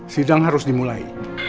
sidang harus dimulai